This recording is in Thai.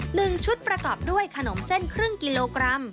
หนึ่งชุดประกอบด้วยขนมเส้นครึ่งกิโลกรัม